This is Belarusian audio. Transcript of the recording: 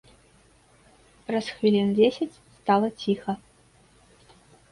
Праз хвілін дзесяць стала ціха.